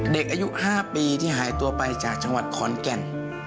เด็กอายุ๕ปีที่หายตัวไปจากจังหวัดขอนแก่น